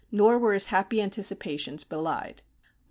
Nor were his happy anticipations belied.